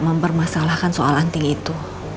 mempermasalahkan soal anting itu